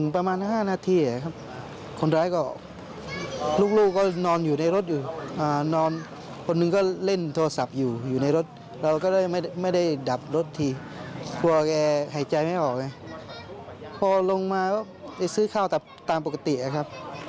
พอลงมาก็ได้ซื้อข้าวแต่ตามปกติครับ